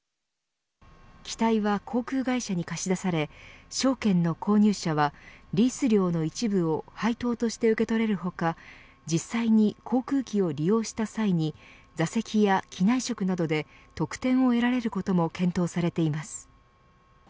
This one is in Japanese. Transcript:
機体は航空会社に貸し出され証券の購入者はリース料の一部を配当として受け取れる他実際に航空機を利用した際に座席や機内食などで特典を得られることも検討されています。